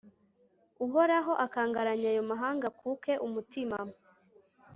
uhoraho, akangaranya ayo mahanga akuke umutima